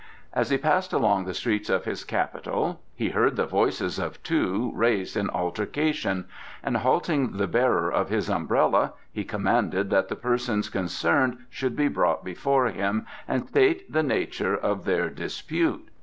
As he passed along the streets of his capital he heard the voices of two raised in altercation, and halting the bearer of his umbrella, he commanded that the persons concerned should be brought before him and state the nature of their dispute.